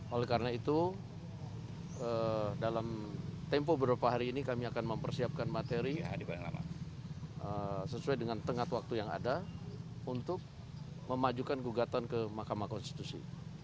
oleh karena itu dalam tempo beberapa hari ini kami akan mempersiapkan materi sesuai dengan tengah waktu yang ada untuk memajukan gugatan ke mahkamah konstitusi